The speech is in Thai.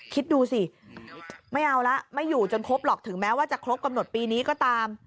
คิดดูสิไม่เอาละไม่อยู่จนครบหรอกถึงแม้ว่าจะครบกำหนดปีนี้ก็ตาม